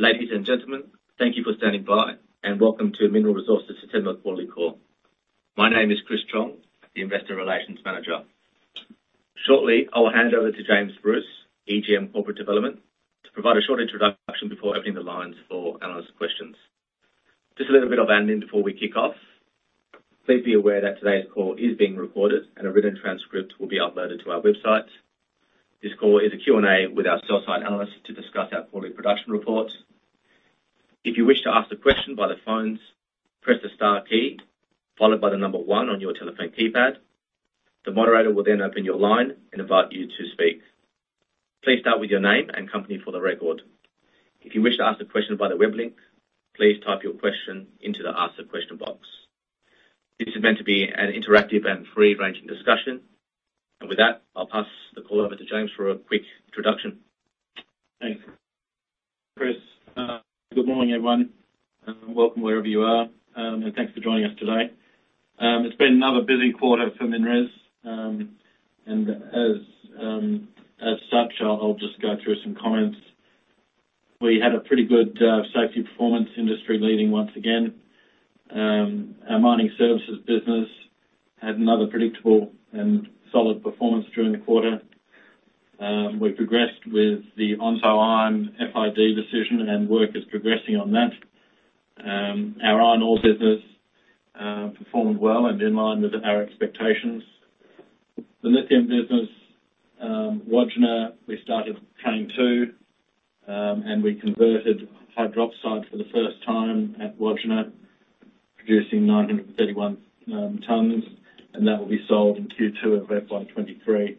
Ladies and gentlemen, thank you for standing by, and welcome to Mineral Resources' September quarterly call. My name is Chris Chong, the Investor Relations Manager. Shortly, I will hand over to James Bruce, EGM Corporate Development, to provide a short introduction before opening the lines for analyst questions. Just a little bit of admin before we kick off. Please be aware that today's call is being recorded and a written transcript will be uploaded to our website. This call is a Q&A with our sell-side analysts to discuss our quarterly production reports. If you wish to ask a question by the phones, press the star key followed by the number one on your telephone keypad. The moderator will then open your line and invite you to speak. Please start with your name and company for the record. If you wish to ask a question via the web link, please type your question into the ask a question box. This is meant to be an interactive and free-ranging discussion. With that, I'll pass the call over to James for a quick introduction. Thanks, Chris. Good morning, everyone, and welcome wherever you are. Thanks for joining us today. It's been another busy quarter for MinRes. I'll just go through some comments. We had a pretty good safety performance, industry leading once again. Our mining services business had another predictable and solid performance during the quarter. We progressed with the Onslow Iron FID decision and work is progressing on that. Our iron ore business performed well and in line with our expectations. The lithium business, Wodgina, we started Train 2, and we converted hydroxide for the first time at Wodgina, producing 931 tonnes, and that will be sold in Q2 of FY 2023.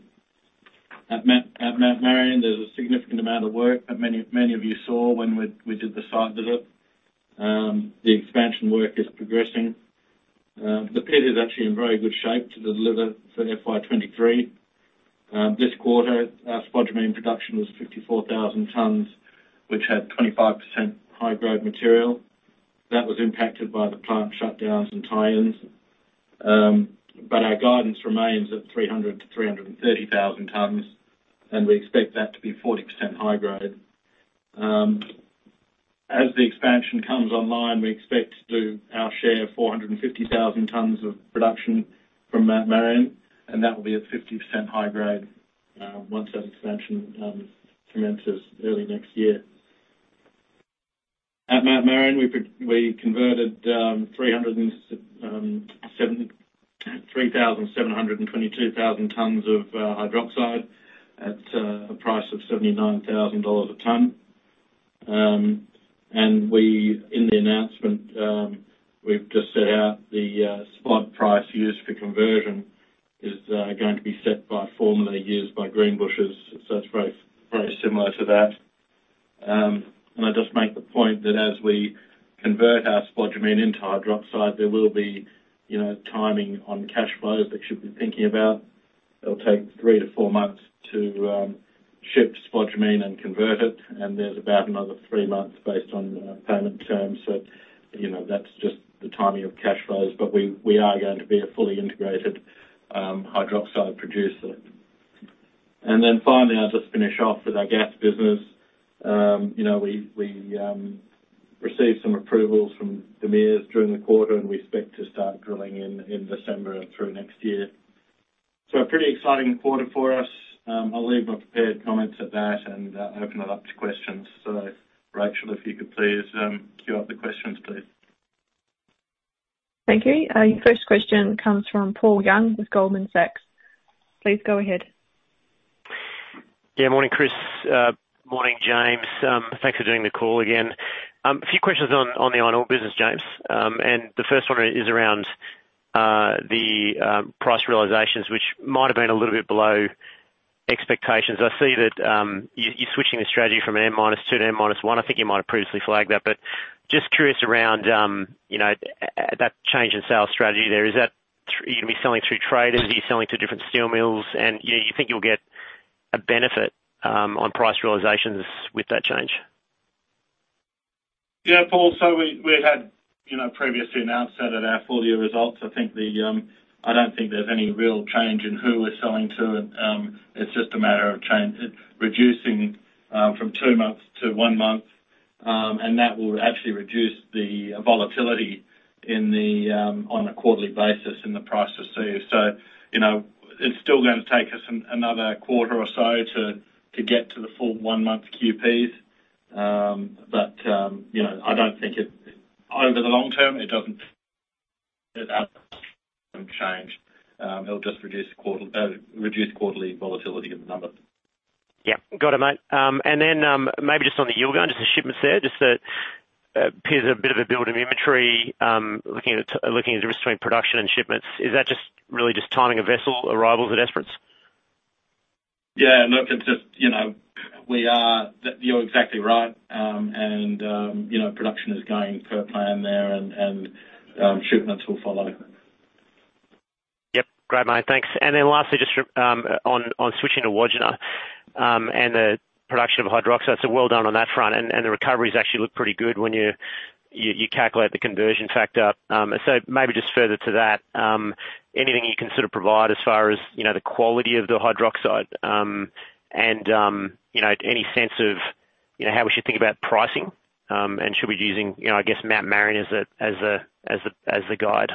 At Mt Marion, there's a significant amount of work that many of you saw when we did the site visit. The expansion work is progressing. The pit is actually in very good shape to deliver for FY 2023. This quarter, our spodumene production was 54,000 tonnes, which had 25% high grade material. That was impacted by the plant shutdowns and tie-ins. Our guidance remains at 300,000-330,000 tonnes, and we expect that to be 40% high grade. As the expansion comes online, we expect to do our share of 450,000 tonnes of production from Mt Marion, and that will be at 50% high grade once that expansion commences early next year. At Mt Marion, we converted 307... 3,722,000 tonnes of hydroxide at a price of $79,000 a ton. In the announcement, we've just set out the spot price used for conversion is going to be set by formulae used by Greenbushes. It's very, very similar to that. I'd just make the point that as we convert our spodumene into hydroxide, there will be, you know, timing on cash flows that you'll be thinking about. It'll take three to four months to ship spodumene and convert it, and there's about another three months based on payment terms. You know, that's just the timing of cash flows. But we are going to be a fully integrated hydroxide producer. Finally, I'll just finish off with our gas business. You know, we received some approvals from DMIRS during the quarter, and we expect to start drilling in December through next year. A pretty exciting quarter for us. I'll leave my prepared comments at that and open it up to questions. Rachel, if you could please queue up the questions, please. Thank you. Your first question comes from Paul Young with Goldman Sachs. Please go ahead. Morning, Chris. Morning, James. Thanks for doing the call again. A few questions on the iron ore business, James. The first one is around the price realizations, which might have been a little bit below expectations. I see that you're switching the strategy from M-2 to M-1. I think you might have previously flagged that. Just curious around, you know, that change in sales strategy there. Is that you're gonna be selling through traders? Are you selling through different steel mills? And, you know, you think you'll get a benefit on price realizations with that change? Yeah, Paul. We had you know previously announced that at our full-year results. I don't think there's any real change in who we're selling to. It's just a matter of reducing from two months to one month. And that will actually reduce the volatility on a quarterly basis in the price received. You know, it's still gonna take us another quarter or so to get to the full one-month QPs. You know, I don't think it. Over the long term, it doesn't change. It'll just reduce quarterly volatility of the numbers. Yeah. Got it, mate. Maybe just on the Yilgarn, just the shipments there. Just that appears a bit of a build in inventory. Looking at the risk between production and shipments. Is that just really timing of vessel arrivals at Esperance? Yeah. Look, it's just, you know, You're exactly right. You know, production is going per plan there and shipments will follow. Yep. Great, mate. Thanks. Lastly, just on switching to Wodgina, and the production of hydroxide. Well done on that front, and the recoveries actually look pretty good when you You calculate the conversion factor. Maybe just further to that, anything you can sort of provide as far as, you know, the quality of the hydroxide? You know, any sense of, you know, how we should think about pricing? Should we be using, you know, I guess Mt Marion as a guide?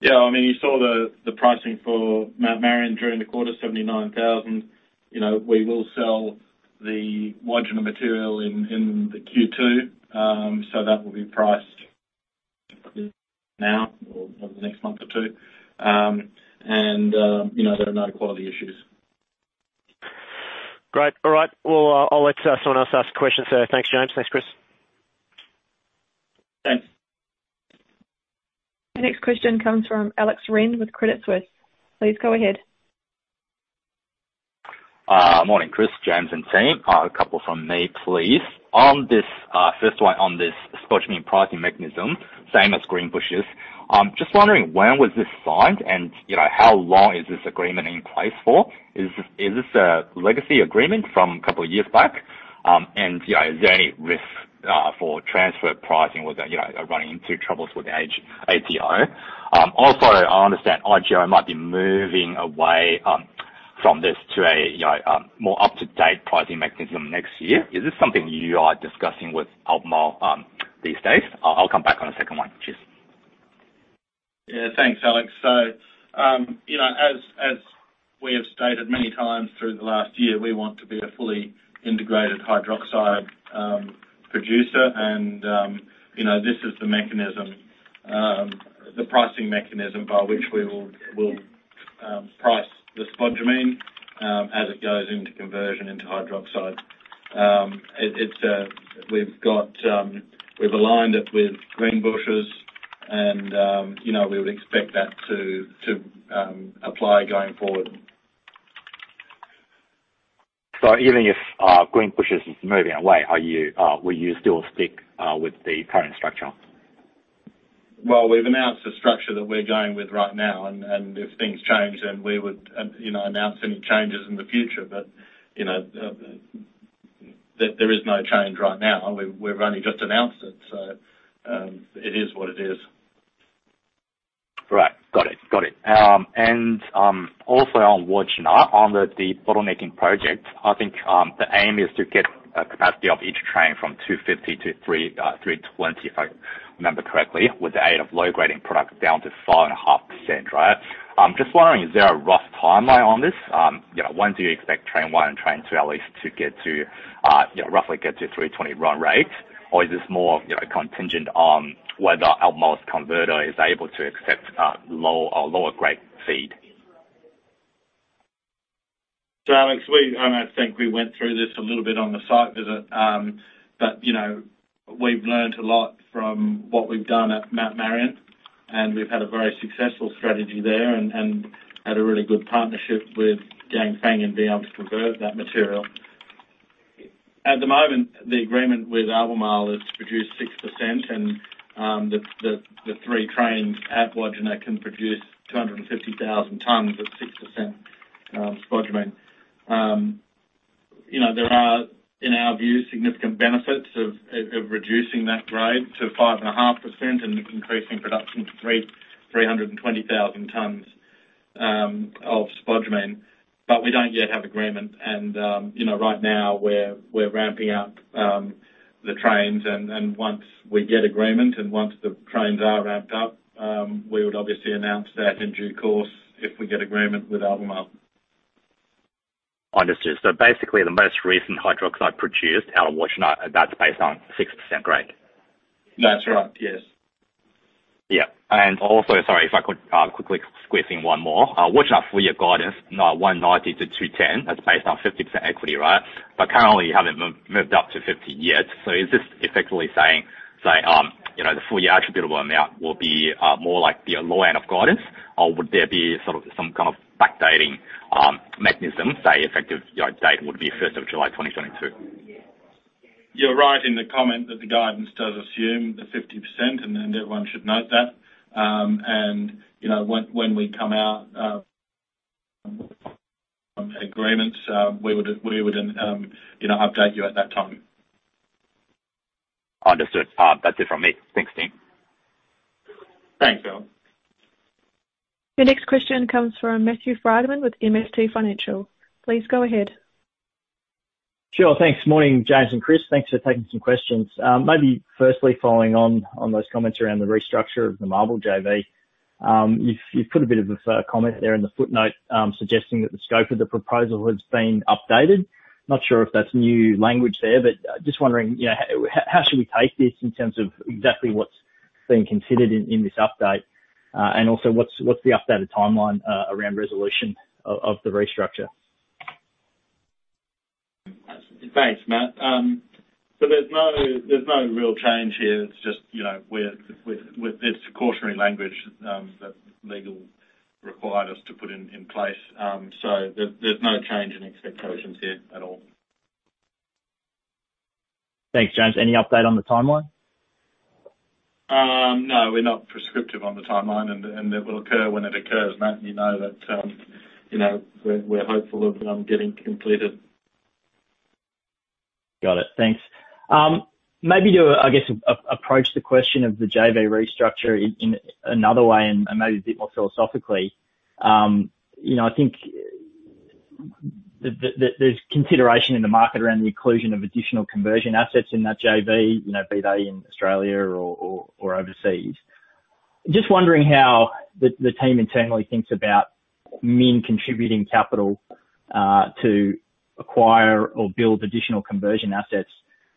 Yeah. I mean, you saw the pricing for Mt Marion during the quarter, 79,000. You know, we will sell the Wodgina material in the Q2. That will be priced now or the next month or two. You know, there are no quality issues. Great. All right. Well, I'll let someone else ask questions. Thanks, James. Thanks, Chris. Thanks. The next question comes from Alex Ren with Credit Suisse. Please go ahead. Morning, Chris, James, and team. A couple from me, please. On this first one on this spodumene pricing mechanism, same as Greenbushes. Just wondering, when was this signed, and, you know, how long is this agreement in place for? Is this a legacy agreement from a couple of years back? And, you know, is there any risk for transfer pricing or that, you know, running into troubles with the ATO? Also, I understand IGO might be moving away from this to a more up-to-date pricing mechanism next year. Is this something you are discussing with Albemarle these days? I'll come back on the second one. Cheers. Yeah. Thanks, Alex. You know, as we have stated many times through the last year, we want to be a fully integrated hydroxide producer and, you know, this is the mechanism, the pricing mechanism by which we will price the spodumene as it goes into conversion into hydroxide. It's, we've aligned it with Greenbushes and, you know, we would expect that to apply going forward. Even if Greenbushes is moving away, will you still stick with the current structure? Well, we've announced the structure that we're going with right now, and if things change then we would, you know, announce any changes in the future. You know, there is no change right now. We've only just announced it, so it is what it is. Right. Got it. Also on Wodgina. On the bottleneck project. I think the aim is to get a capacity of each train from 250 to 320, if I remember correctly, with the aid of low-grade product down to 5.5%, right? Just wondering, is there a rough timeline on this? You know, when do you expect Train 1 and Train 2 at least to get to, you know, roughly get to 320 run-rate? Or is this more, you know, contingent on whether Albemarle's converter is able to accept low or lower grade feed? Alex, I think we went through this a little bit on the site visit. You know, we've learned a lot from what we've done at Mt Marion, and we've had a very successful strategy there and had a really good partnership with Ganfeng in being able to convert that material. At the moment, the agreement with Albemarle is to produce 6% and the three trains at Wodgina can produce 250,000 tonnes at 6% spodumene. You know, there are, in our view, significant benefits of reducing that grade to 5.5% and increasing production to 320,000 tonnes of spodumene. We don't yet have agreement and you know, right now we're ramping up the trains. Once we get agreement and once the trains are ramped up, we would obviously announce that in due course if we get agreement with Albemarle. Understood. Basically the most recent hydroxide produced out of Wodgina, that's based on 6% grade? That's right. Yes. Yeah. Also, sorry, if I could quickly squeeze in one more. Wodgina full year guidance, now 190%-210%, that's based on 50% equity, right? Currently you haven't moved up to 50% yet. Is this effectively saying the full year attributable amount will be more like the lower end of guidance? Or would there be sort of some kind of backdating mechanism, effective date would be July 1, 2022? You're right in the comment that the guidance does assume the 50%, and everyone should note that. You know, when we come out of agreement, you know, we would update you at that time. Understood. That's it from me. Thanks, team. Thanks, Alex. Your next question comes from Matthew Frydman with MST Financial. Please go ahead. Sure. Thanks. Morning, James and Chris. Thanks for taking some questions. Maybe firstly following on those comments around the restructure of the MARBL JV. You've put a bit of a comment there in the footnote, suggesting that the scope of the proposal has been updated. Not sure if that's new language there, but just wondering, you know, how should we take this in terms of exactly what's being considered in this update? And also what's the updated timeline around resolution of the restructure? Thanks, Matt. There's no real change here. It's just, you know, with this cautionary language that legal required us to put in place. There's no change in expectations here at all. Thanks, James. Any update on the timeline? No, we're not prescriptive on the timeline, and it will occur when it occurs, Matt. You know that, you know, we're hopeful of getting completed. Got it. Thanks. Maybe to, I guess, approach the question of the JV restructure in another way and maybe a bit more philosophically. You know, I think there's consideration in the market around the inclusion of additional conversion assets in that JV, you know, be they in Australia or overseas. Just wondering how the team internally thinks about MIN contributing capital to acquire or build additional conversion assets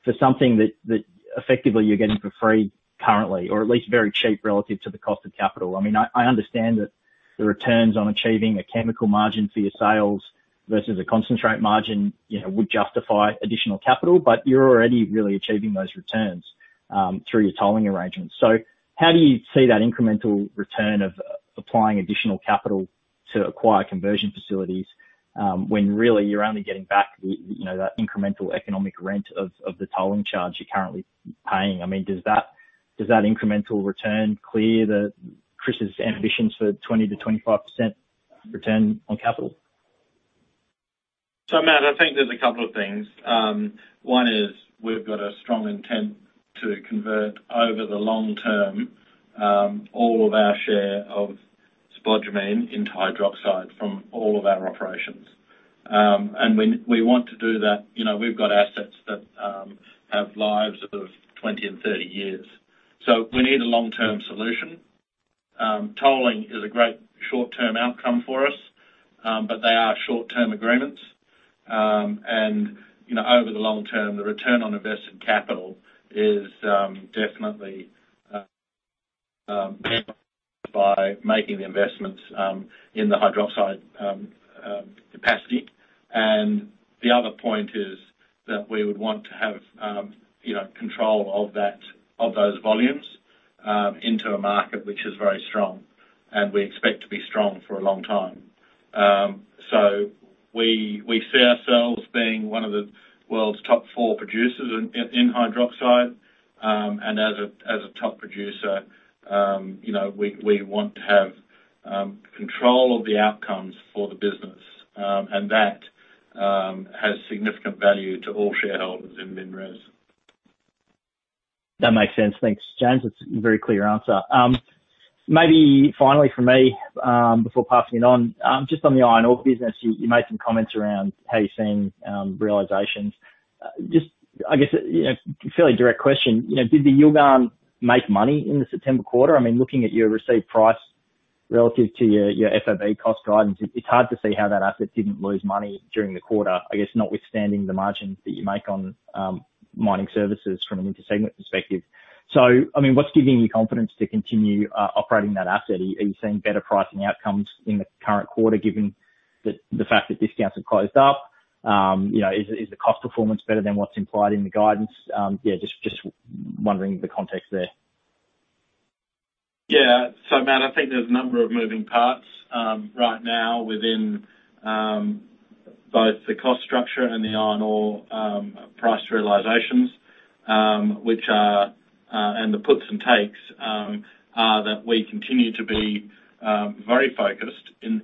for something that effectively you're getting for free currently, or at least very cheap relative to the cost of capital. I mean, I understand that the returns on achieving a chemical margin for your sales versus a concentrate margin, you know, would justify additional capital, but you're already really achieving those returns through your tolling arrangements. How do you see that incremental return of applying additional capital to acquire conversion facilities, when really you're only getting back the, you know, that incremental economic rent of the tolling charge you're currently paying? I mean, does that incremental return clear that Chris's ambition for 20%-25% return on capital? Matt, I think there's a couple of things. One is we've got a strong intent to convert over the long term all of our share of spodumene into hydroxide from all of our operations. We want to do that. You know, we've got assets that have lives of 20 years and 30 years. We need a long-term solution. Tolling is a great short-term outcome for us, but they are short-term agreements. You know, over the long term, the return on invested capital is definitely by making the investments in the hydroxide capacity. The other point is that we would want to have you know, control of that, of those volumes into a market which is very strong, and we expect to be strong for a long time. We see ourselves being one of the world's top four producers in hydroxide. As a top producer, you know, we want to have control of the outcomes for the business. That has significant value to all shareholders in MinRes. That makes sense. Thanks, James. That's a very clear answer. Maybe finally from me, before passing it on, just on the iron ore business, you made some comments around how you're seeing realizations. Just, I guess, you know, fairly direct question, you know, did the Yilgarn make money in the September quarter? I mean, looking at your received price relative to your FOB Cost Guidance, it's hard to see how that asset didn't lose money during the quarter. I guess notwithstanding the margins that you make on mining services from an intersegment perspective. I mean, what's giving you confidence to continue operating that asset? Are you seeing better pricing outcomes in the current quarter, given the fact that discounts have closed up? You know, is the cost performance better than what's implied in the guidance? Yeah, just wondering the context there. Yeah. Matt, I think there's a number of moving parts right now within both the cost structure and the iron ore price realizations, which are, and the puts and takes are that we continue to be very focused in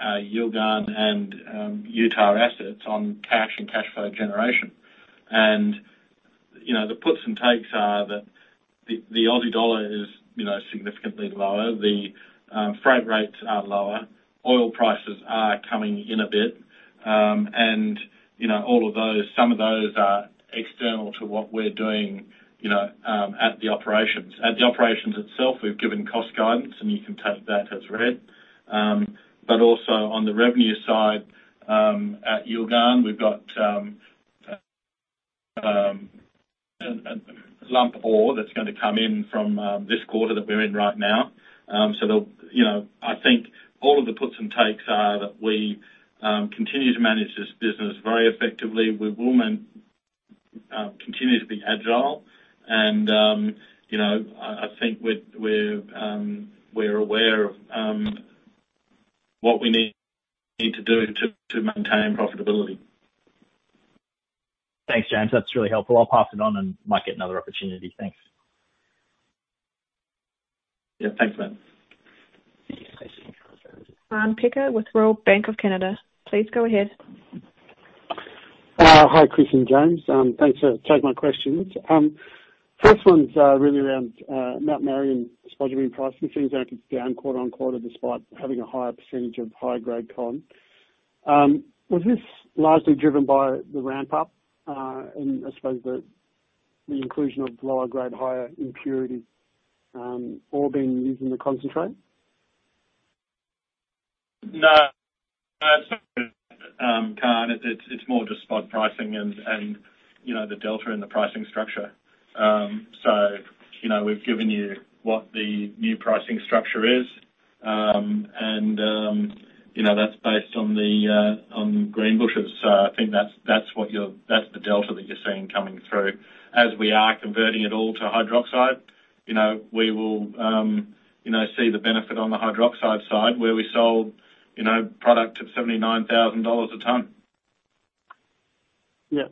Yilgarn and Utah Point assets on cash and cash flow generation. You know, the puts and takes are that the Aussie dollar is, you know, significantly lower. The freight rates are lower. Oil prices are coming in a bit. And you know, all of those, some of those are external to what we're doing, you know, at the operations. At the operations itself, we've given cost guidance, and you can take that as read. Also on the revenue side, at Yilgarn, we've got a lump ore that's gonna come in from this quarter that we're in right now. You know, I think all of the puts and takes are that we continue to manage this business very effectively. We will continue to be agile. You know, I think we're aware of what we need to do to maintain profitability. Thanks, James. That's really helpful. I'll pass it on and might get another opportunity. Thanks. Yeah. Thanks, Matt. Kaan Peker with Royal Bank of Canada. Please go ahead. Hi, Chris and James. Thanks for taking my questions. First one's really around Mt Marion spodumene pricing. It seems like it's down quarter-over-quarter despite having a higher percentage of high-grade con. Was this largely driven by the ramp-up and I suppose the inclusion of lower grade, higher impurity ore being used in the concentrate? No. No. Kaan, it's more just spod pricing and you know the delta in the pricing structure. You know, we've given you what the new pricing structure is. You know, that's based on Greenbushes. I think that's the delta that you're seeing coming through. As we are converting it all to hydroxide, you know, we will you know see the benefit on the hydroxide side where we sold you know product at $79,000 a tonne. Yeah.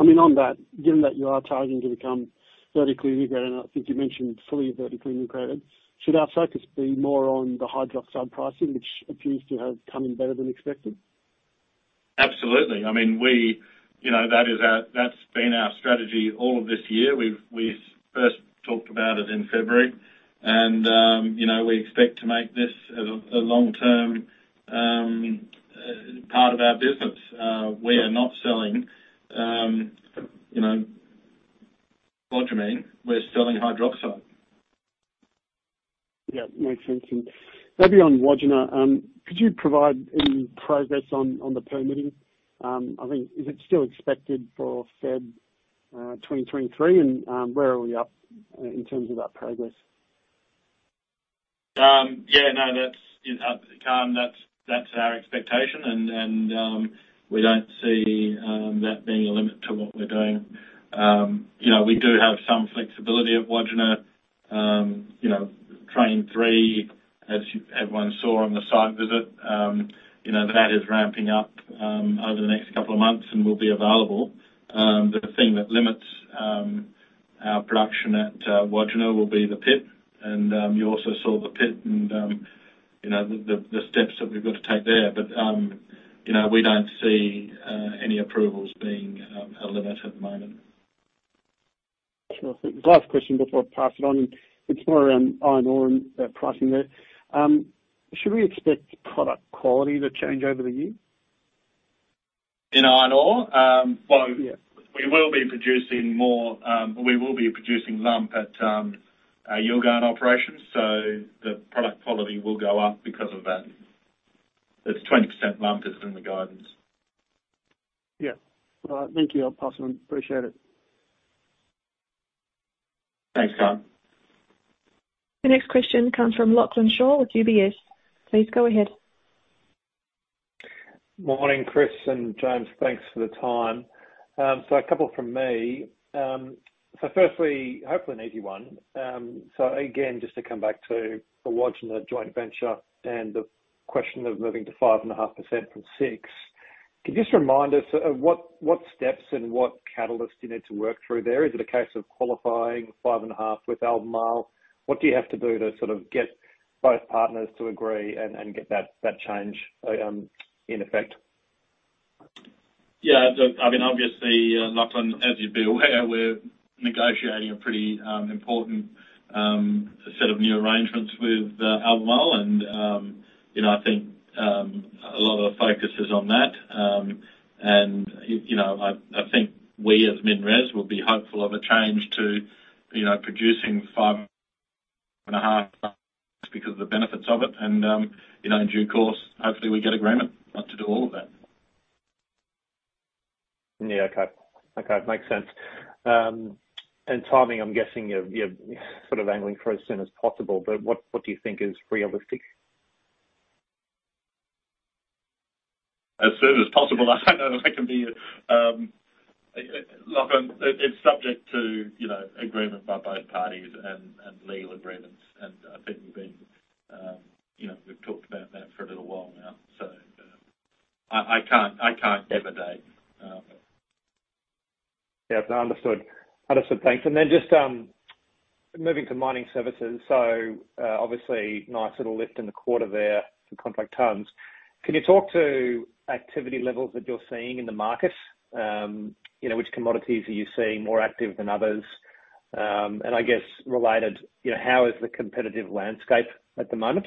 I mean, on that, given that you are targeting to become vertically integrated, and I think you mentioned fully vertically integrated, should our focus be more on the hydroxide pricing, which appears to have come in better than expected? Absolutely. I mean, we, you know, that's been our strategy all of this year. We've first talked about it in February and, you know, we expect to make this a long-term part of our business. We are not selling, you know, spodumene. We're selling hydroxide. Yeah. Makes sense. Maybe on Wodgina, could you provide any progress on the permitting? Is it still expected for February 2023? Where are we up to in terms of that progress? Yeah, no. That's Kaan, that's our expectation and we don't see that being a limit to what we're doing. You know, we do have some flexibility at Wodgina. You know, Train 3, as everyone saw on the site visit, you know, that is ramping up over the next couple of months and will be available. The thing that limits our production at Wodgina will be the pit. You also saw the pit and you know, the steps that we've got to take there. You know, we don't see any approvals being a limit at the moment. Sure. Last question before I pass it on. It's more around iron ore and the pricing there. Should we expect product quality to change over the year? In iron ore? Yeah. We will be producing more lump at our Yilgarn operation, so the product quality will go up because of that. It's 20% lump is in the guidance. Yeah. All right. Thank you. I'll pass on. Appreciate it. Thanks, Kaan. The next question comes from Lachlan Shaw with UBS. Please go ahead. Morning, Chris and James. Thanks for the time. A couple from me. Firstly, hopefully an easy one. Again, just to come back to the Wodgina joint venture and the question of moving to 5.5% from 6%, can you just remind us, what steps and what catalysts you need to work through there? Is it a case of qualifying 5.5% with Albemarle? What do you have to do to sort of get both partners to agree and get that change in effect? Yeah. I mean, obviously, Lachlan, as you'd be aware, we're negotiating a pretty important set of new arrangements with Albemarle and, you know, I think a lot of the focus is on that. You know, I think we as MinRes will be hopeful of a change to, you know, producing 5.5% because of the benefits of it. You know, in due course, hopefully we get agreement to do all of that. Yeah. Okay. Makes sense. Timing, I'm guessing you're sort of angling for as soon as possible, but what do you think is realistic? As soon as possible, I don't know if I can be, Lachlan, it's subject to, you know, agreement by both parties and legal agreements. I think we've been, you know, we've talked about that for a little while now, so, I can't give a date. Yeah. No, understood. Thanks. Just moving to mining services. Obviously, nice little lift in the quarter there for contract tonnes. Can you talk to activity levels that you're seeing in the market? You know, which commodities are you seeing more active than others? And I guess related, you know, how is the competitive landscape at the moment?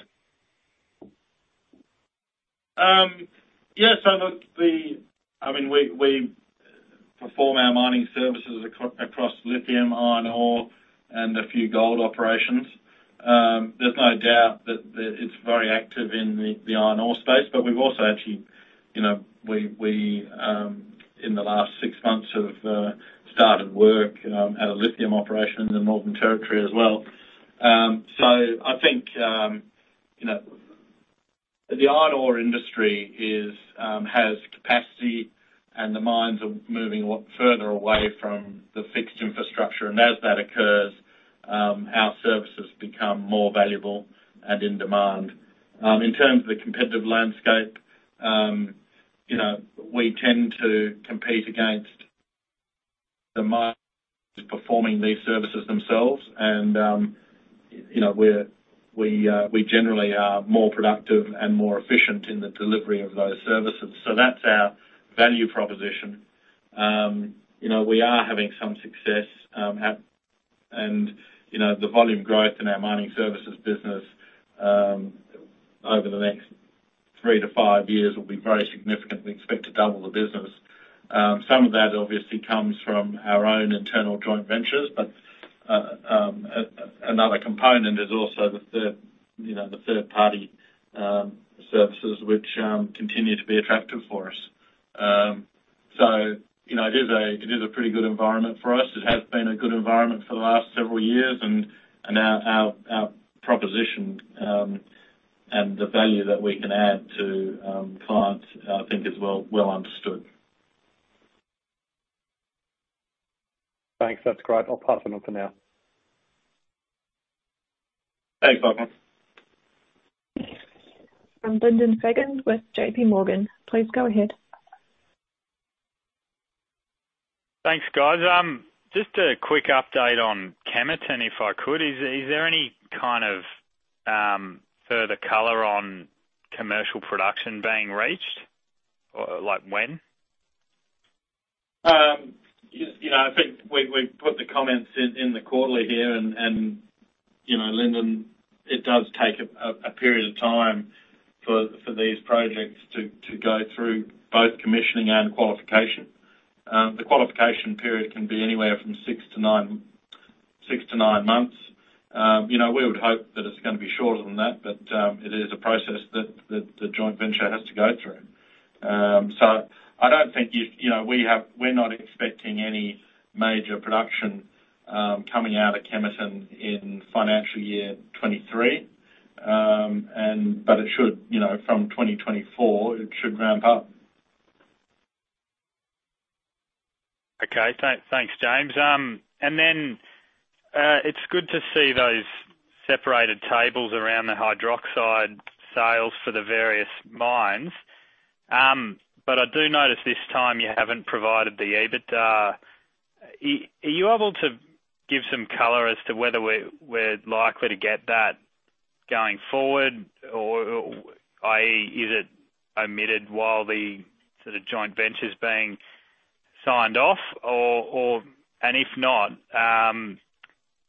I mean, we perform our mining services across lithium, iron ore, and a few gold operations. There's no doubt that it's very active in the iron ore space. We've also actually, you know, we in the last six months have started work at a lithium operation in the Northern Territory as well. I think, you know, the iron ore industry has capacity and the mines are moving a lot further away from the fixed infrastructure. As that occurs, our services become more valuable and in demand. In terms of the competitive landscape, you know, we tend to compete against the mines performing these services themselves. You know, we generally are more productive and more efficient in the delivery of those services. That's our value proposition. You know, we are having some success. You know, the volume growth in our mining services business over the next three to five years will be very significant. We expect to double the business. Some of that obviously comes from our own internal joint ventures, but another component is also the third party, you know, services which continue to be attractive for us. You know, it is a pretty good environment for us. It has been a good environment for the last several years. Our proposition and the value that we can add to clients, I think is well understood. Thanks. That's great. I'll pass it on for now. Thanks, Lachlan. Lyndon Fagan with JPMorgan. Please go ahead. Thanks, guys. Just a quick update on Kemerton, if I could. Is there any kind of further color on commercial production being reached? Or like when? You know, I think we've put the comments in the quarterly here and you know, Lyndon, it does take a period of time for these projects to go through both commissioning and qualification. The qualification period can be anywhere from six to nine months. You know, we would hope that it's gonna be shorter than that, but it is a process that the joint venture has to go through. So I don't think. You know, we're not expecting any major production coming out at Kemerton in financial year 2023. But it should, you know, from 2024, it should ramp up. Okay. Thanks, James. It's good to see those separated tables around the hydroxide sales for the various mines. I do notice this time you haven't provided the EBITDA. Are you able to give some color as to whether we're likely to get that going forward? Or i.e., is it omitted while the sort of joint venture's being signed off? If not,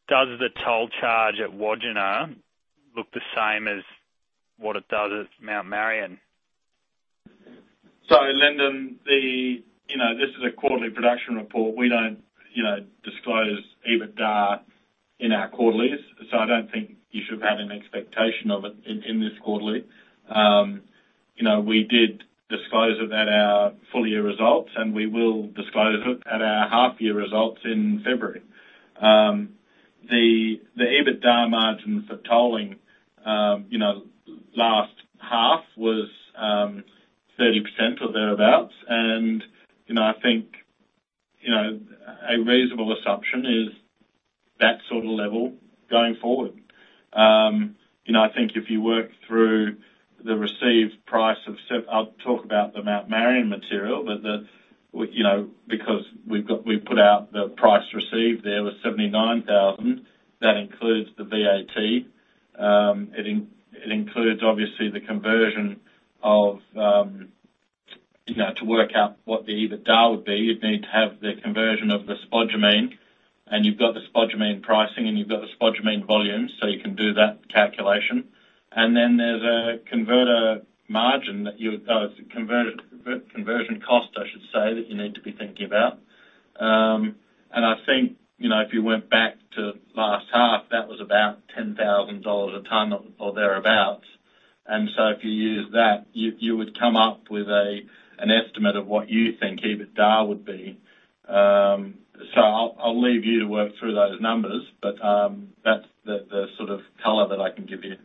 does the toll charge at Wodgina look the same as what it does at Mt Marion? Lyndon, you know, this is a quarterly production report. We don't, you know, disclose EBITDA in our quarterlies. I don't think you should have had an expectation of it in this quarterly. You know, we did disclose it at our full year results, and we will disclose it at our half year results in February. The EBITDA margins for tolling, you know, last half was 30% or thereabouts. You know, I think a reasonable assumption is that sort of level going forward. You know, I think if you work through the received price, I'll talk about the Mt Marion material, but we, you know, because we've put out the price received there was 79,000. That includes the VAT. It includes obviously the conversion of, you know, to work out what the EBITDA would be. You'd need to have the conversion of the spodumene, and you've got the spodumene pricing, and you've got the spodumene volumes. You can do that calculation. There's a converter margin that you need to be thinking about. Oh, it's a conversion cost, I should say, that you need to be thinking about. I think, you know, if you went back to last half, that was about $10,000 a ton or thereabouts. If you use that, you would come up with an estimate of what you think EBITDA would be. I'll leave you to work through those numbers, but that's the sort of color that I can give you.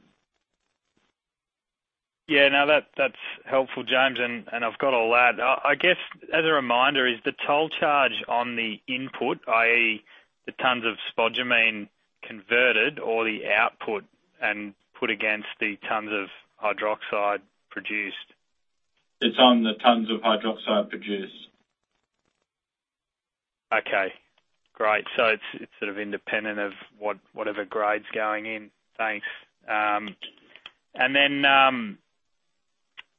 Yeah. No, that's helpful, James. I've got all that. I guess as a reminder, is the toll charge on the input, i.e., the tonnes of spodumene converted or the output and put against the tonnes of hydroxide produced? It's on the tonnes of hydroxide produced. Okay, great. It's sort of independent of whatever grades going in. Thanks.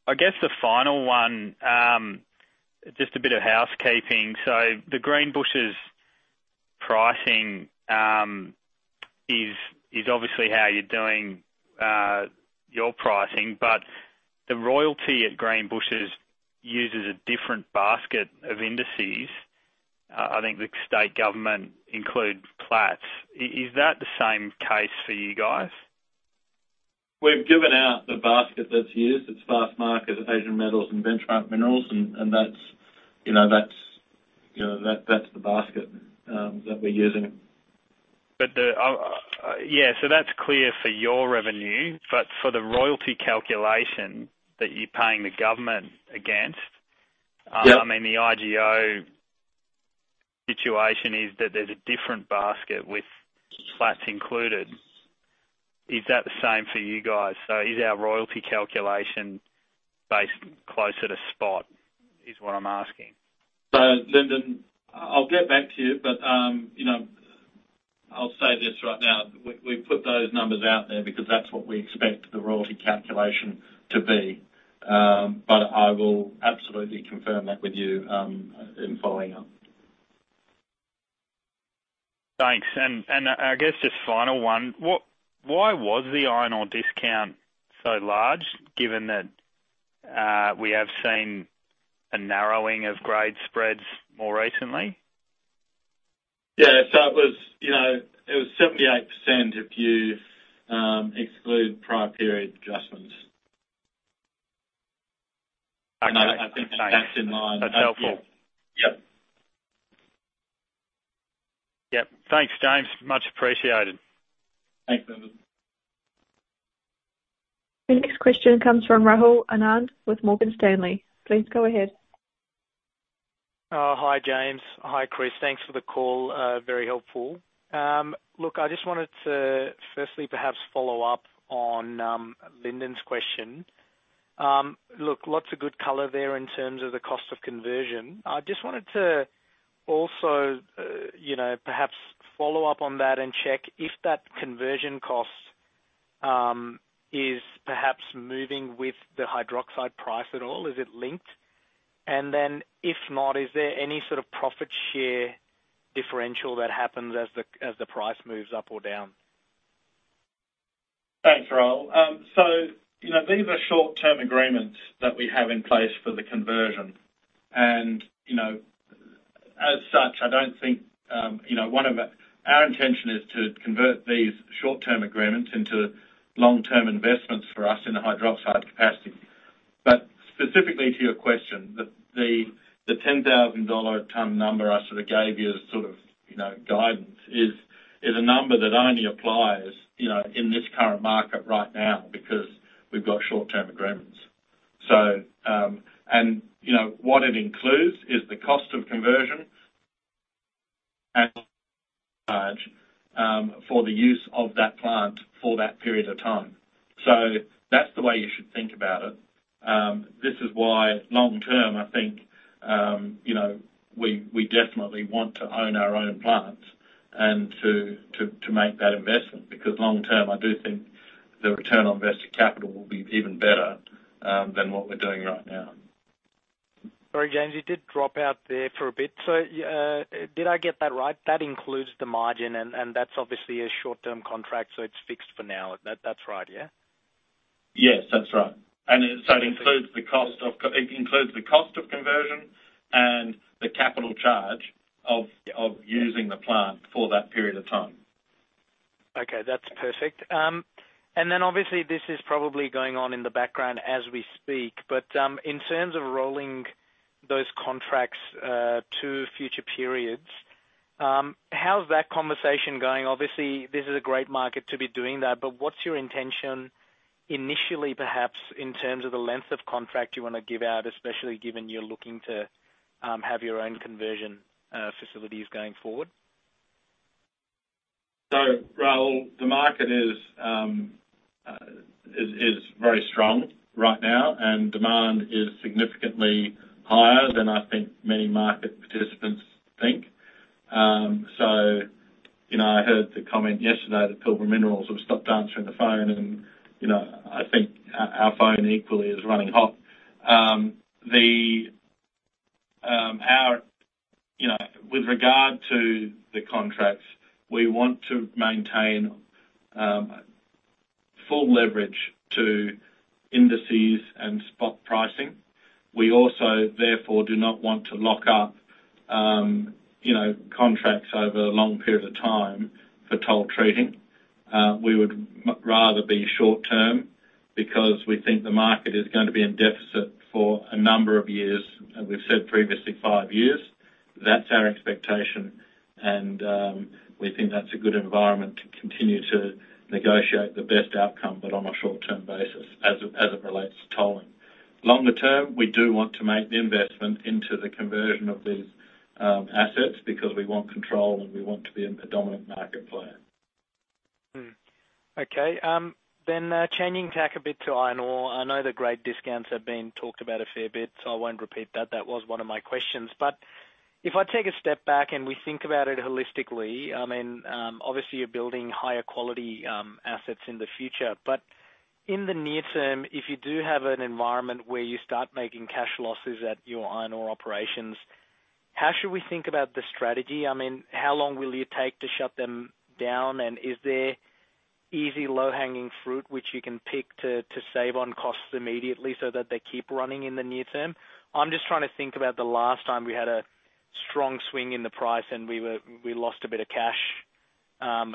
I guess the final one, just a bit of housekeeping. The Greenbushes pricing is obviously how you're doing your pricing. The royalty at Greenbushes uses a different basket of indices. I think the state government includes Platts. Is that the same case for you guys? We've given out the basket that's used. It's Fastmarkets, Asian Metal and Benchmark Minerals. That's, you know, the basket that we're using. That's clear for your revenue. For the royalty calculation that you're paying the government against- Yeah. I mean, the IGO situation is that there's a different basket with Platts included. Is that the same for you guys? Is our royalty calculation based closer to spot, is what I'm asking. Lyndon, I'll get back to you, but, you know, I'll say this right now, we put those numbers out there because that's what we expect the royalty calculation to be. But I will absolutely confirm that with you, in following up. Thanks. I guess just final one. Why was the iron ore discount so large, given that we have seen a narrowing of grade spreads more recently? Yeah. It was, you know, it was 78% if you exclude prior period adjustments. Okay. I think that's in line. That's helpful. Yeah. Yep. Yep. Thanks, James. Much appreciated. Thanks, Lyndon. The next question comes from Rahul Anand with Morgan Stanley. Please go ahead. Hi, James. Hi, Chris. Thanks for the call, very helpful. Look, I just wanted to firstly perhaps follow up on Lyndon's question. Look, lots of good color there in terms of the cost of conversion. I just wanted to also, you know, perhaps follow up on that and check if that conversion cost is perhaps moving with the hydroxide price at all. Is it linked? Then if not, is there any sort of profit share differential that happens as the price moves up or down? Thanks, Rahul. So, you know, these are short-term agreements that we have in place for the conversion and, you know, as such, I don't think, you know, Our intention is to convert these short-term agreements into long-term investments for us in the hydroxide capacity. But specifically to your question, the ten thousand dollar ton number I sort of gave you as sort of, you know, guidance is a number that only applies, you know, in this current market right now because we've got short-term agreements. And, you know, what it includes is the cost of conversion and for the use of that plant for that period of time. That's the way you should think about it. This is why long term, I think, you know, we definitely want to own our own plants and to make that investment because long term, I do think the return on invested capital will be even better than what we're doing right now. Sorry, James, you did drop out there for a bit. Did I get that right? That includes the margin and that's obviously a short-term contract, so it's fixed for now. That's right, yeah? Yes, that's right. It includes the cost of conversion and the capital charge of using the plant for that period of time. Okay, that's perfect. Obviously this is probably going on in the background as we speak, but in terms of rolling those contracts to future periods, how's that conversation going? Obviously this is a great market to be doing that, but what's your intention initially perhaps in terms of the length of contract you wanna give out, especially given you're looking to have your own conversion facilities going forward? Rahul, the market is very strong right now and demand is significantly higher than I think many market participants think. You know, I heard the comment yesterday that Pilbara Minerals have stopped answering the phone and, you know, I think our phone equally is running hot. You know, with regard to the contracts, we want to maintain full leverage to indices and spot pricing. We also therefore do not want to lock up, you know, contracts over a long period of time for toll treating. We would rather be short term because we think the market is going to be in deficit for a number of years, as we've said previously, five years. That's our expectation and we think that's a good environment to continue to negotiate the best outcome, but on a short-term basis as it relates to tolling. Longer term, we do want to make the investment into the conversion of these assets because we want control and we want to be a predominant market player. Okay. Changing tack a bit to iron ore. I know the great discounts have been talked about a fair bit, so I won't repeat that. That was one of my questions. If I take a step back and we think about it holistically, I mean, obviously you're building higher quality assets in the future. In the near term, if you do have an environment where you start making cash losses at your iron ore operations, how should we think about the strategy? I mean, how long will you take to shut them down? Is there easy low-hanging fruit which you can pick to save on costs immediately so that they keep running in the near term? I'm just trying to think about the last time we had a strong swing in the price and we lost a bit of cash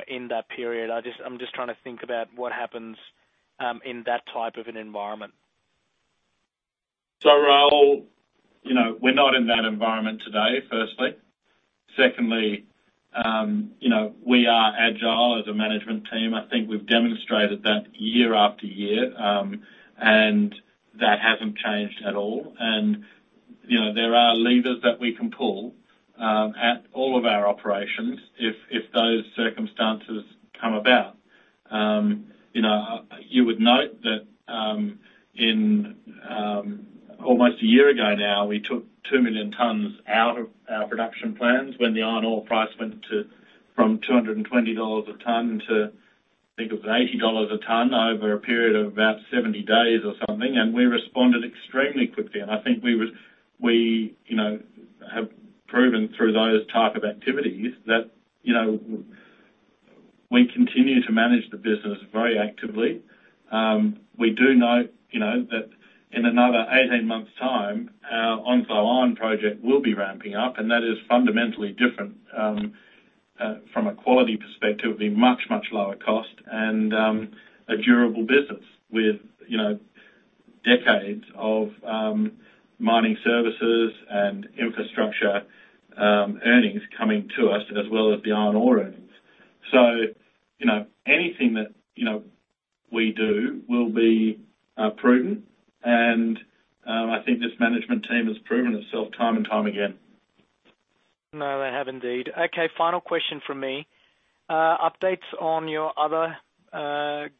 in that period. I'm just trying to think about what happens in that type of an environment. Rahul, you know, we're not in that environment today, firstly. Secondly, you know, we are agile as a management team. I think we've demonstrated that year after year, and that hasn't changed at all. You know, there are levers that we can pull at all of our operations if those circumstances come about. You know, you would note that, in almost a year ago now, we took 2 million tonnes out of our production plans when the iron ore price went from $220 a ton to, I think it was $80 a ton over a period of about 70 days or something, and we responded extremely quickly. I think we have proven through those type of activities that, you know, we continue to manage the business very actively. We do know, you know, that in another 18-months' time, our Onslow Iron project will be ramping up and that is fundamentally different from a quality perspective, be much, much lower cost and a durable business with, you know, decades of mining services and infrastructure earnings coming to us as well as the iron ore earnings. So, you know, anything that, you know, we do will be prudent. I think this management team has proven itself time and time again. No, they have indeed. Okay, final question from me. Updates on your other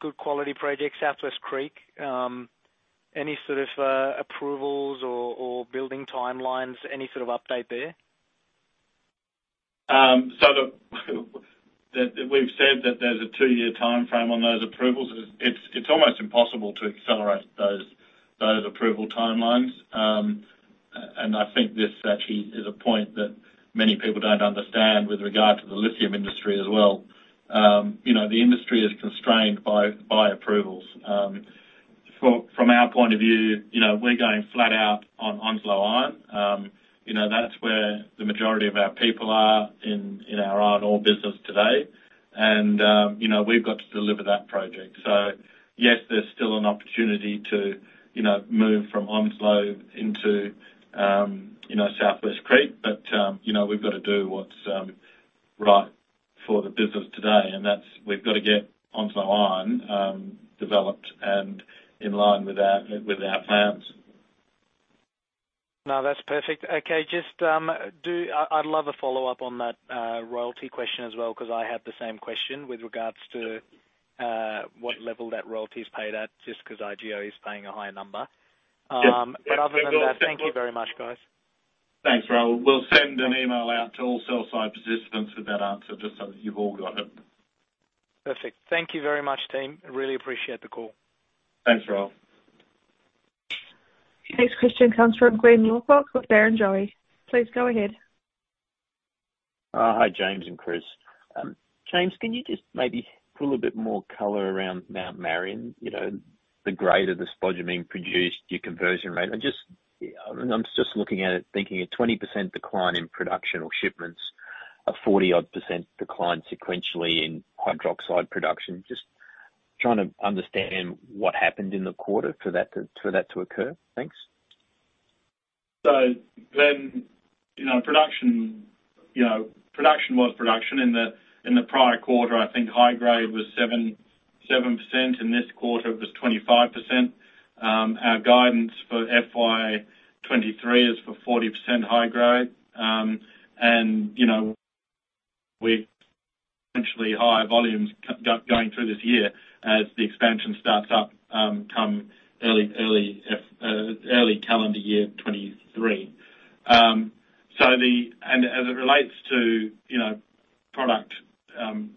good quality projects, Southwest Creek. Any sort of approvals or building timelines? Any sort of update there? That we've said that there's a two-year timeframe on those approvals. It's almost impossible to accelerate those approval timelines. I think this actually is a point that many people don't understand with regard to the lithium industry as well. You know, the industry is constrained by approvals. From our point of view, you know, we're going flat out on Onslow Iron. You know, that's where the majority of our people are in our iron ore business today. You know, we've got to deliver that project. Yes, there's still an opportunity to you know, move from Onslow into you know, Southwest Creek, but you know, we've gotta do what's right for the business today. We've gotta get Onslow Iron developed and in line with our plans. No, that's perfect. Okay, just, I'd love a follow-up on that royalty question as well, 'cause I had the same question with regards to what level that royalty's paid at just 'cause IGO is paying a higher number. Yes. Other than that, thank you very much, guys. Thanks, Rahul. We'll send an email out to all sell side participants with that answer just so that you've all got it. Perfect. Thank you very much, team. I really appreciate the call. Thanks, Rahul. Next question comes from Glyn Lawcock of Barrenjoey. Please go ahead. Hi, James and Chris. James, can you just maybe put a little bit more color around Mt Marion? You know, the grade of the spodumene produced, your conversion rate. I'm just looking at it thinking a 20% decline in production or shipments, a 40-odd% decline sequentially in hydroxide production. Just trying to understand what happened in the quarter for that to occur. Thanks. Glyn, you know, production was production. In the prior quarter, I think high grade was 7%. In this quarter it was 25%. Our guidance for FY 2023 is for 40% high grade. You know, we're potentially high volumes going through this year as the expansion starts up come early calendar year 2023. As it relates to product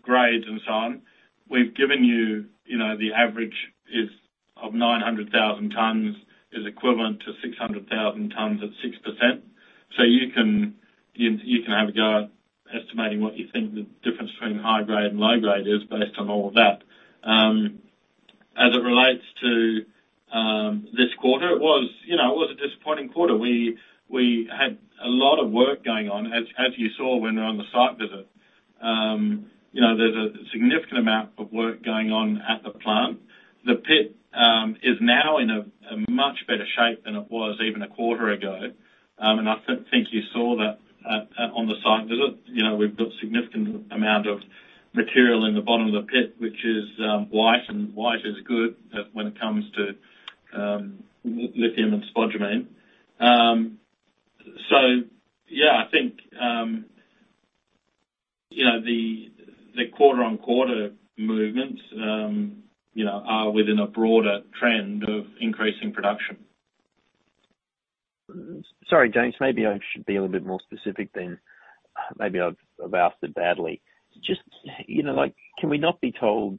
grades and so on, we've given you you know, the average is of 900,000 tonnes is equivalent to 600,000 tonnes at 6%. So you can have a go at estimating what you think the difference between high grade and low grade is based on all of that. As it relates to this quarter, you know, it was a disappointing quarter. We had a lot of work going on. As you saw when you were on the site visit. You know, there's a significant amount of work going on at the plant. The pit is now in a much better shape than it was even a quarter ago. And I think you saw that at on the site visit. You know, we've got significant amount of material in the bottom of the pit, which is white, and white is good when it comes to lithium and spodumene. So yeah, I think you know, the quarter-on-quarter movements you know are within a broader trend of increasing production. Sorry, James. Maybe I should be a little bit more specific then. Maybe I've asked it badly. Just, you know, like, can we not be told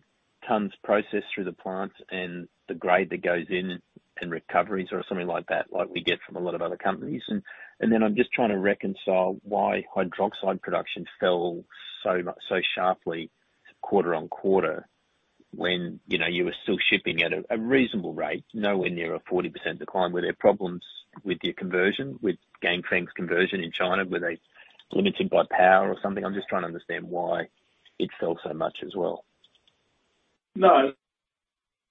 tonnes processed through the plant and the grade that goes in and recoveries or something like that like we get from a lot of other companies? I'm just trying to reconcile why hydroxide production fell so sharply quarter-over-quarter when, you know, you were still shipping at a reasonable rate, nowhere near a 40% decline. Were there problems with your conversion, with Ganfeng's conversion in China? Were they limited by power or something? I'm just trying to understand why it fell so much as well. No.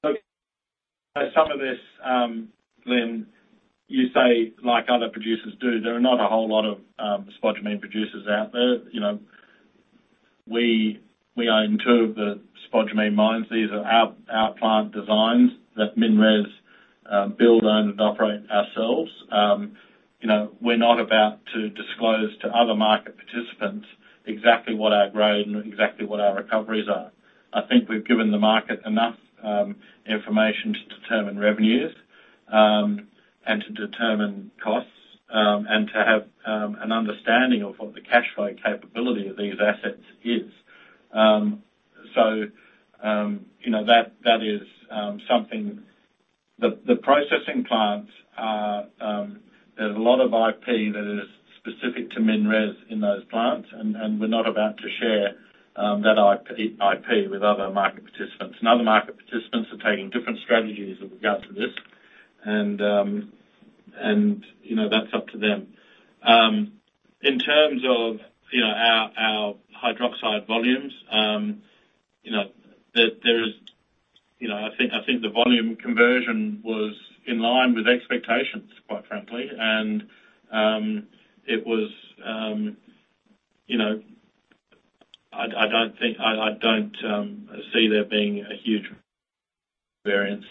Some of this, Glyn, you say like other producers do, there are not a whole lot of spodumene producers out there. You know, we own two of the spodumene mines. These are our plant designs that MinRes build, own and operate ourselves. You know, we're not about to disclose to other market participants exactly what our grade and exactly what our recoveries are. I think we've given the market enough information to determine revenues and to determine costs and to have an understanding of what the cash flow capability of these assets is. You know, that is something. The processing plants, there's a lot of IP that is specific to MinRes in those plants, and we're not about to share that IP with other market participants. Other market participants are taking different strategies with regards to this. That's up to them. In terms of, you know, our hydroxide volumes, you know, there is. You know, I think the volume conversion was in line with expectations, quite frankly. It was, you know, I don't see there being a huge variance.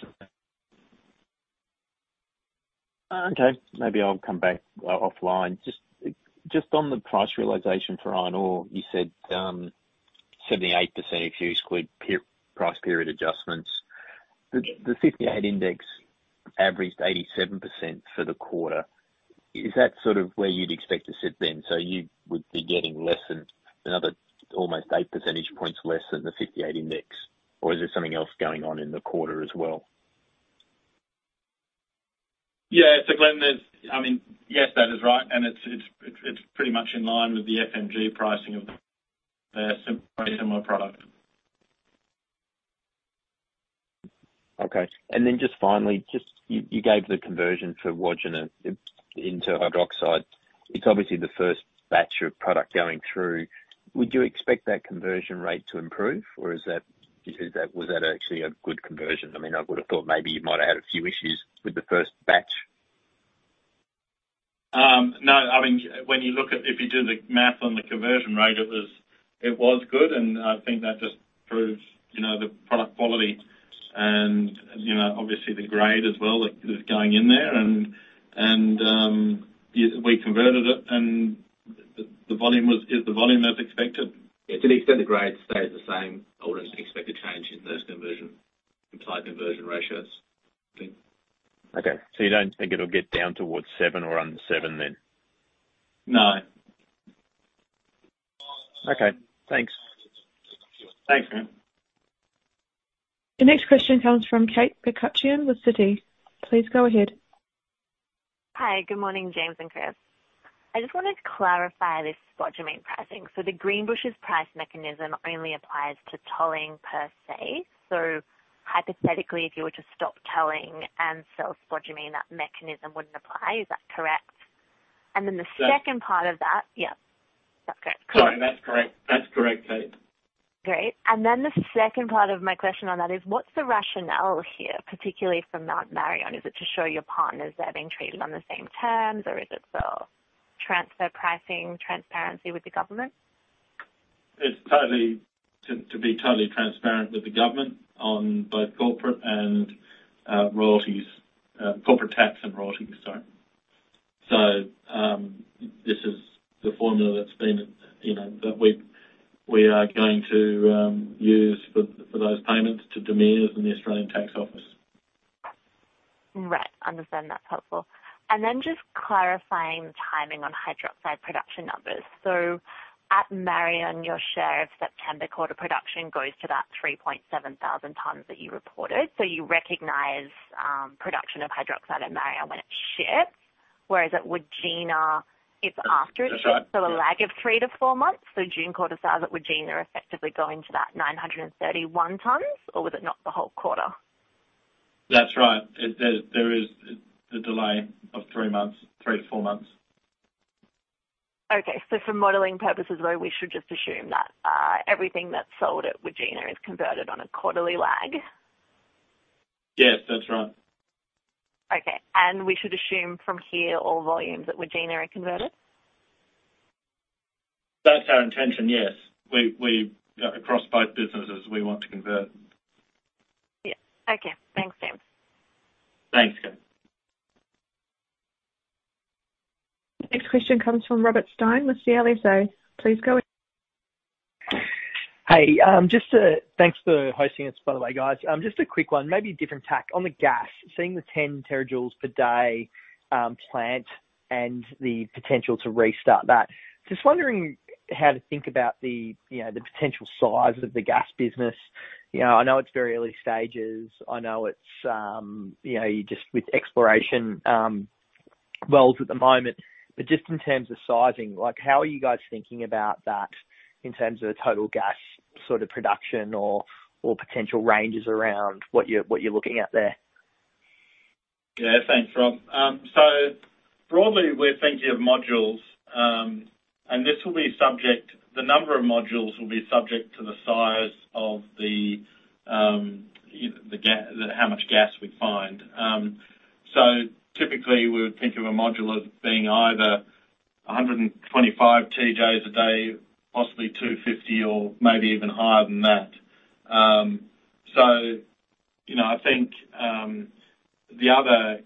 Maybe I'll come back offline. Just on the price realization for iron ore, you said 78%, if you exclude per-price period adjustments. The 58% Index averaged 87% for the quarter. Is that sort of where you'd expect to sit then? You would be getting less than another almost 8 percentage points less than the 58% Index, or is there something else going on in the quarter as well? Yeah. Glyn, I mean, yes, that is right. It's pretty much in line with the FMG pricing of the very similar product. Okay. Just finally, just you gave the conversion for Wodgina into hydroxide. It's obviously the first batch of product going through. Would you expect that conversion rate to improve, or is that was that actually a good conversion? I mean, I would've thought maybe you might have had a few issues with the first batch. No. I mean, when you look at, if you do the math on the conversion rate, it was good. I think that just proves, you know, the product quality and, you know, obviously the grade as well that is going in there and yes, we converted it and the volume is as expected. Yeah. To the extent the grade stays the same, I wouldn't expect a change in those conversion, implied conversion ratios. Okay. You don't think it'll get down towards seven or under seven then? No. Okay. Thanks. Thanks, man. The next question comes from Kate McCutcheon with Citi. Please go ahead. Hi. Good morning, James and Chris. I just wanted to clarify this spodumene pricing. The Greenbushes price mechanism only applies to tolling per se. Hypothetically, if you were to stop tolling and sell spodumene, that mechanism wouldn't apply. Is that correct? The second part of that. Yeah. That's great. Sorry. That's correct, Kate. Great. The second part of my question on that is what's the rationale here, particularly for Mt Marion? Is it to show your partners they're being treated on the same terms, or is it for transfer pricing transparency with the government? It's totally to be totally transparent with the government on both corporate and royalties. Corporate tax and royalties, sorry. This is the formula that's been that we are going to use for those payments to DMIRS and the Australian Taxation Office. Right. Understand. That's helpful. Just clarifying the timing on hydroxide production numbers. At Marion, your share of September quarter production goes to that 3,700 tonnes that you reported. You recognize production of hydroxide at Marion when it ships. Whereas at Wodgina, it's after it ships- That's right. Yeah. A lag of three to four months. June quarter sales at Wodgina are effectively going to that 931 tonnes, or was it not the whole quarter? That's right. There is a delay of three months, three to four months. Okay. For modeling purposes, though, we should just assume that everything that's sold at Wodgina is converted on a quarterly lag. Yes, that's right. Okay. We should assume from here all volumes at Wodgina are converted? That's our intention, yes. We across both businesses, we want to convert. Yeah. Okay. Thanks, James. Thanks, Kate. Next question comes from Rob Stein with Macquarie Group. Please go in. Thanks for hosting this, by the way, guys. Just a quick one, maybe a different tack. On the gas, seeing the 10 terajoules per day plant and the potential to restart that. Just wondering how to think about the, you know, the potential size of the gas business. You know, I know it's very early stages. I know it's, you know, you're just with exploration wells at the moment. But just in terms of sizing, like, how are you guys thinking about that in terms of total gas sort of production or potential ranges around what you're looking at there? Yeah. Thanks, Rob. Broadly, we're thinking of modules, and this will be subject, the number of modules will be subject to the size of the gas, how much gas we find. Typically, we would think of a module as being either 125 TJ/day, possibly 250 or maybe even higher than that. You know, I think the other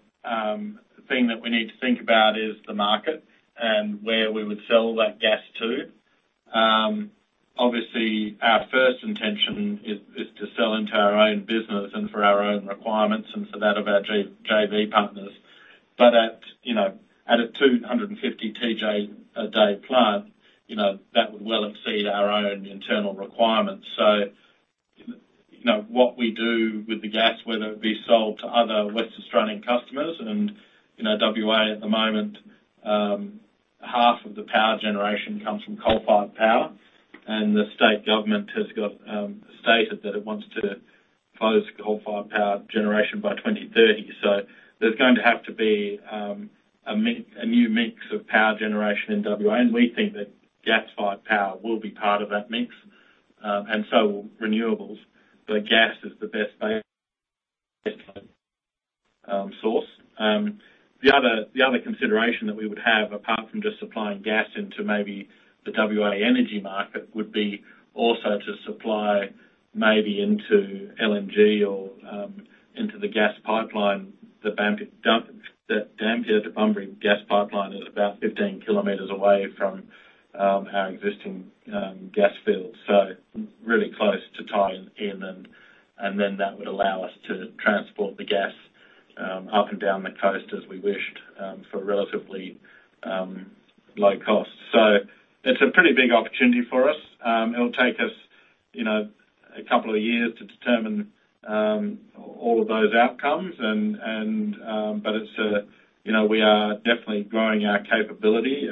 thing that we need to think about is the market and where we would sell that gas to. Obviously, our first intention is to sell into our own business and for our own requirements and for that of our JV partners. At, you know, at a 250 TJ/day plant, you know, that would well exceed our own internal requirements. You know, what we do with the gas, whether it be sold to other West Australian customers and, you know, WA at the moment, half of the power generation comes from coal-fired power, and the state government has got stated that it wants to close coal-fired power generation by 2030. There's going to have to be a new mix of power generation in WA, and we think that gas-fired power will be part of that mix, and so will renewables. But gas is the best source. The other consideration that we would have, apart from just supplying gas into maybe the WA energy market, would be also to supply maybe into LNG or into the gas pipeline. The Dampier to Bunbury gas pipeline is about 15 km away from our existing gas fields, so really close to tie in, and then that would allow us to transport the gas up and down the coast as we wished, for a relatively low cost. It's a pretty big opportunity for us. It'll take us, you know, a couple of years to determine all of those outcomes and, but it's, you know, we are definitely growing our capability.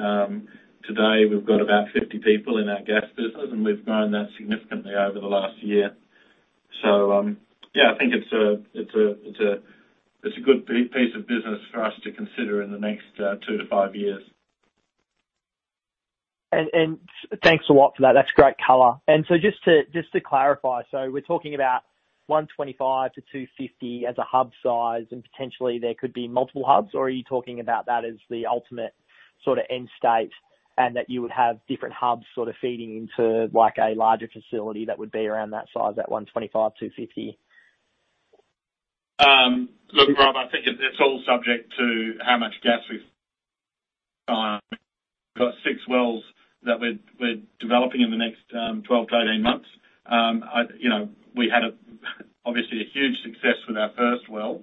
Today, we've got about 50 people in our gas business, and we've grown that significantly over the last year. Yeah, I think it's a good piece of business for us to consider in the next two to five years. Thanks a lot for that. That's great color. Just to clarify, we're talking about 125-250 as a hub size, and potentially there could be multiple hubs, or are you talking about that as the ultimate sort of end state, and that you would have different hubs sort of feeding into like a larger facility that would be around that size, that 125-250? Look, Rob, I think it's all subject to how much gas we've got. We've got six wells that we're developing in the next 12-18 months. You know, we had obviously a huge success with our first well.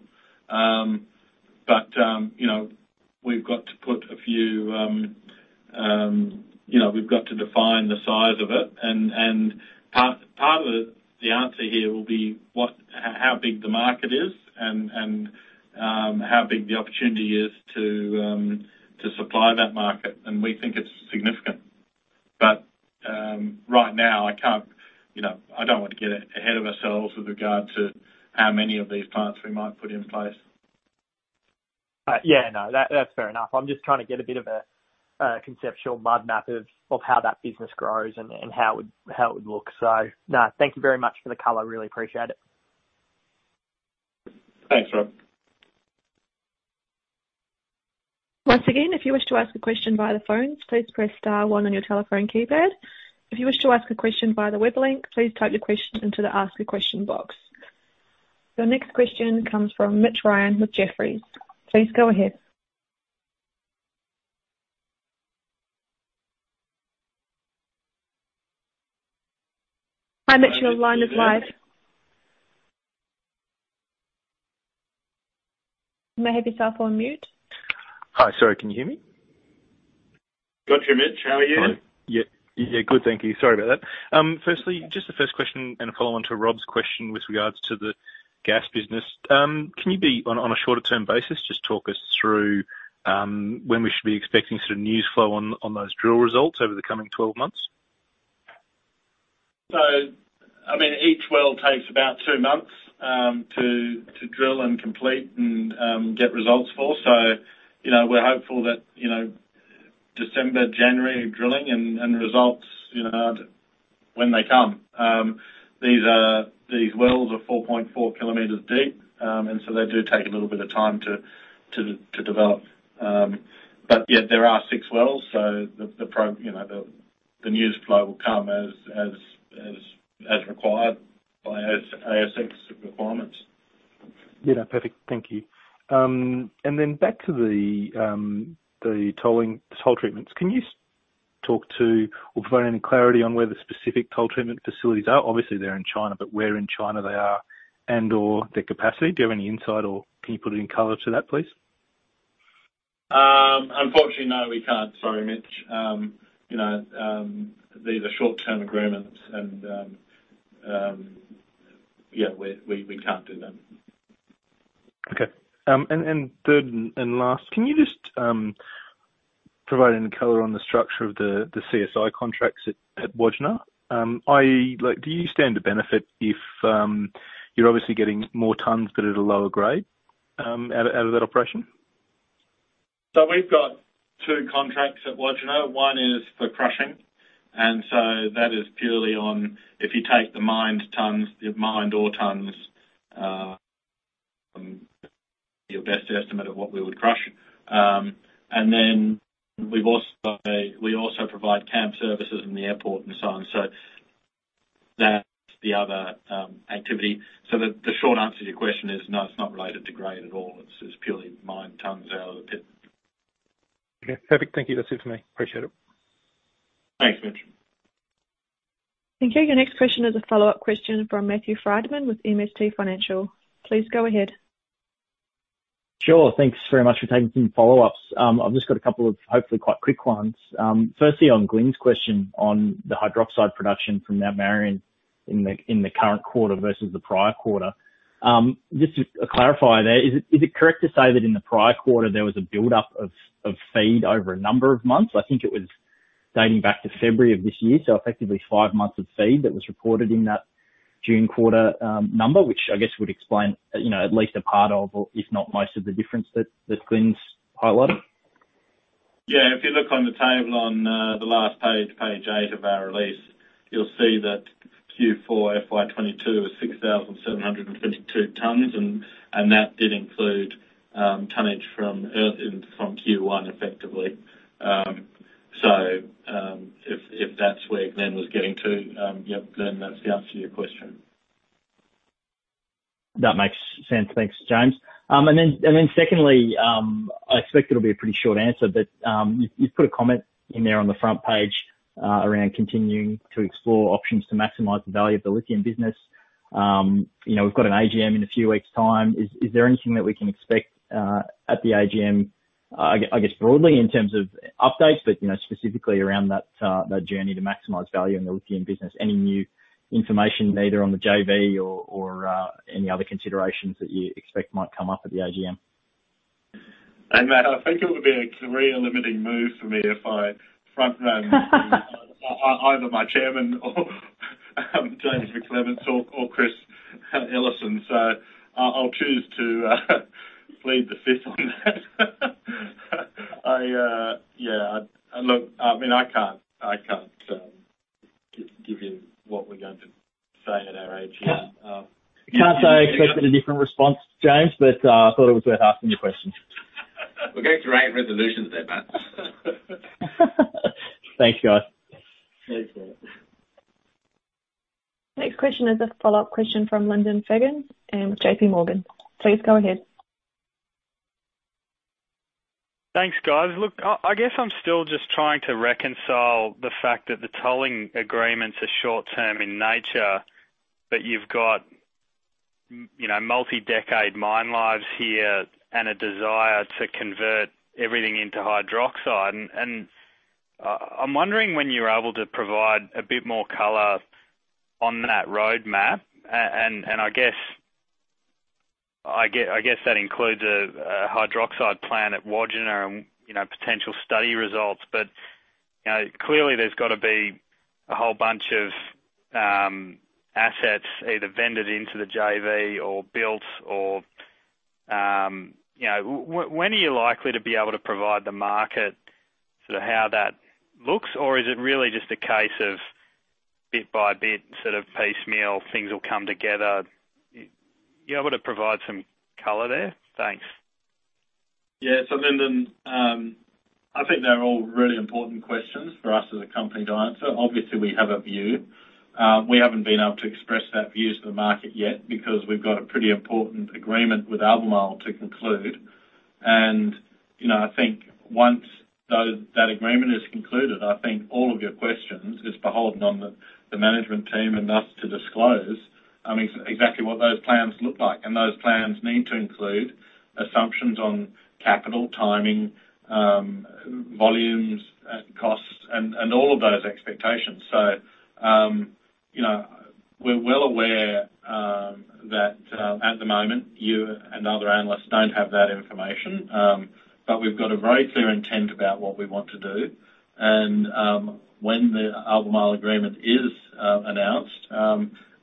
You know, we've got to define the size of it. Part of the answer here will be how big the market is and how big the opportunity is to supply that market, and we think it's significant. Right now, I can't, you know, I don't want to get ahead of ourselves with regard to how many of these plants we might put in place. Yeah, no, that's fair enough. I'm just trying to get a bit of a conceptual mud map of how that business grows and how it would look. No, thank you very much for the color. Really appreciate it. Thanks, Rob. Once again, if you wish to ask a question via the phone, please press star one on your telephone keypad. If you wish to ask a question via the web link, please type your question into the "Ask a Question" box. The next question comes from Mitch Ryan with Jefferies. Please go ahead. Hi, Mitch. Your line is live. You may have your cell phone on mute. Hi. Sorry, can you hear me? Good to hear, Mitch. How are you? Yeah. Yeah. Good, thank you. Sorry about that. Firstly, just the first question and a follow-on to Rob's question with regards to the gas business. Can you, on a shorter term basis, just talk us through when we should be expecting sort of news flow on those drill results over the coming 12 months? I mean, each well takes about two months to drill and complete and get results for. We're hopeful that, you know, December, January drilling and results, you know, when they come. These wells are 4.4 km deep. They do take a little bit of time to develop. Yeah, there are six wells. The program, you know, the news flow will come as required by ASX requirements. Yeah. Perfect. Thank you. Back to the tolling, toll treatments. Can you talk to or provide any clarity on where the specific toll treatment facilities are? Obviously, they're in China, but where in China they are and/or their capacity. Do you have any insight or can you put any color to that, please? Unfortunately, no, we can't. Sorry, Mitch. You know, these are short-term agreements and, yeah, we can't do that. Okay. Third and last, can you just provide any color on the structure of the CSI contracts at Wodgina? I.e., like do you stand to benefit if you're obviously getting more tonnes but at a lower grade out of that operation? We've got two contracts at Wodgina. One is for crushing, and that is purely on if you take the mined tonnes, the mined ore tonnes, your best estimate of what we would crush. And then we also provide cab services in the airport and so on. That's the other activity. The short answer to your question is no, it's not related to grade at all. It's purely mined tonnes out of the pit. Okay. Perfect. Thank you. That's it for me. Appreciate it. Thanks, Mitch. Thank you. Your next question is a follow-up question from Matthew Frydman with MST Financial. Please go ahead. Sure. Thanks very much for taking some follow-ups. I've just got a couple of hopefully quite quick ones. Firstly, on Glyn's question on the hydroxide production from Mt Marion. In the current quarter versus the prior quarter. Just to clarify there, is it correct to say that in the prior quarter, there was a build-up of feed over a number of months? I think it was dating back to February of this year, so effectively five months of feed that was reported in that June quarter number. Which I guess would explain, you know, at least a part of, or if not most of the difference that Glyn's highlighted. Yeah, if you look on the table on the last page eight of our release, you'll see that Q4 FY 2022 was 6,722 tonnes, and that did include tonnage from Q1 effectively. If that's where Glyn was getting to, yeah, Glyn, that's the answer to your question. That makes sense. Thanks, James. Secondly, I expect it'll be a pretty short answer, but you've put a comment in there on the front page around continuing to explore options to maximize the value of the lithium business. You know, we've got an AGM in a few weeks' time. Is there anything that we can expect at the AGM? I guess broadly in terms of updates, but you know, specifically around that journey to maximize value in the lithium business? Any new information either on the JV or any other considerations that you expect might come up at the AGM? Hey, Matt, I think it would be a career-limiting move for me if I front run either my chairman or James McClements or Chris Ellison. I'll choose to plead the Fifth on that. Yeah. Look, I mean, I can't give you what we're going to say at our AGM. Can't say I expected a different response, James, but I thought it was worth asking the question. We're going to write resolutions there, Matt. Thanks, guys. Thanks, Matt. Next question is a follow-up question from Lyndon Fagan, JPMorgan. Please go ahead. Thanks, guys. Look, I guess I'm still just trying to reconcile the fact that the tolling agreements are short term in nature, but you've got, you know, multi-decade mine lives here and a desire to convert everything into hydroxide. I'm wondering when you're able to provide a bit more color on that roadmap. I guess that includes a hydroxide plan at Wodgina and, you know, potential study results. But, you know, clearly there's gotta be a whole bunch of assets either vended into the JV or built or, you know. When are you likely to be able to provide the market sort of how that looks? Or is it really just a case of bit by bit, sort of piecemeal things will come together? You able to provide some color there? Thanks. Yeah. Lyndon, I think they're all really important questions for us as a company to answer. Obviously, we have a view. We haven't been able to express that view to the market yet because we've got a pretty important agreement with Albemarle to conclude. You know, I think once that agreement is concluded, I think all of your questions is beholden on the management team and us to disclose, I mean, exactly what those plans look like. Those plans need to include assumptions on capital, timing, volumes, costs, and all of those expectations. You know, we're well aware that at the moment, you and other analysts don't have that information. But we've got a very clear intent about what we want to do. When the Albemarle agreement is announced,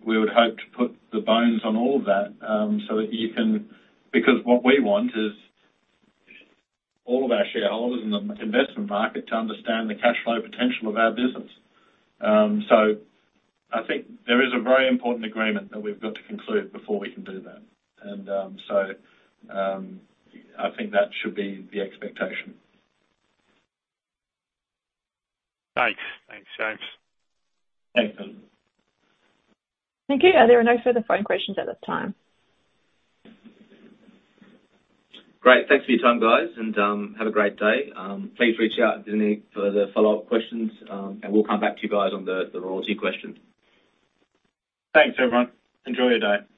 we would hope to put meat on the bones of all of that, so that you can. Because what we want is all of our shareholders in the investment market to understand the cash flow potential of our business. I think there is a very important agreement that we've got to conclude before we can do that. I think that should be the expectation. Thanks. Thanks, James. Thanks, Lyndon. Thank you. There are no further phone questions at this time. Great. Thanks for your time, guys, and have a great day. Please reach out with any further follow-up questions, and we'll come back to you guys on the royalty question. Thanks, everyone. Enjoy your day.